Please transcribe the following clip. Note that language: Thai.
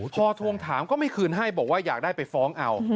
พอทวงถามก็ไม่คืนให้บอกว่าอยากได้ไปฟ้องเอา